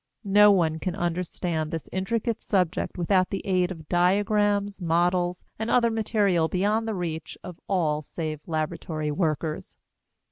No one can understand this intricate subject without the aid of diagrams, models, and other material beyond the reach of all save laboratory workers.